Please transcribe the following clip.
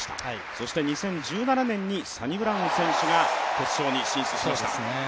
そして２０１７年にサニブラウン選手が決勝に進出しました。